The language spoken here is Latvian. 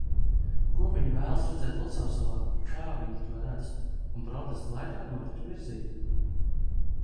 Ko viņi vēlas redzēt Lucavsalā, kā viņi to redz. Un protesta laikā notika virzība.